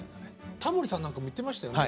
タモリさんなんかも言ってましたよね。